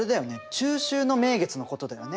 中秋の名月のことだよね。